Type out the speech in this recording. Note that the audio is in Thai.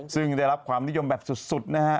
ซึ่งได้รับความนิยมแบบสุดนะฮะ